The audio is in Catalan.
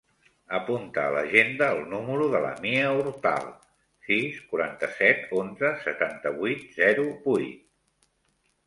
Apunta a l'agenda el número de la Mia Hortal: sis, quaranta-set, onze, setanta-vuit, zero, vuit.